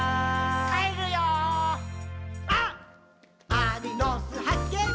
アリの巣はっけん